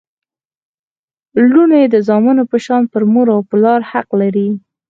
لوڼي د زامنو په شان پر مور او پلار حق لري